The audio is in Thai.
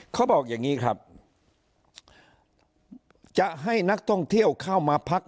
เขาบอกอย่างนี้ครับจะให้นักท่องเที่ยวเข้ามาพัก